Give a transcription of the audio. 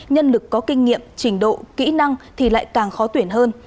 nhân lực có kinh nghiệm trình độ kỹ năng thì lại càng khó tuyển hơn